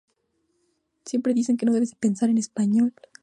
Mercante como gobernador de la provincia de Buenos Aires.